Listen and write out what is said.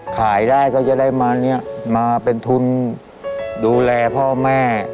ขายได้ก็จะได้มาเนี่ยมาเป็นทุนดูแลพ่อแม่